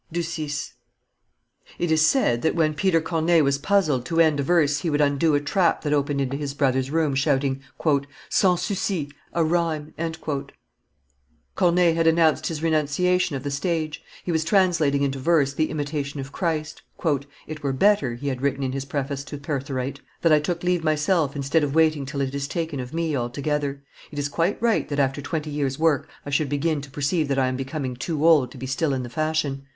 ] It is said, that when Peter Corneille was puizled to end a verse he would undo a trap that opened into his brother's room, shouting, "Sans souci, a rhyme!" Corneille had announced his renunciation of the stage; he was translating into verse the Imitation of Christ. "It were better," he had written in his preface to Pertharite, "that I took leave myself instead of waiting till it is taken of me altogether; it is quite right that after twenty years' work I should begin to perceive that I am becoming too old to be still in the fashion.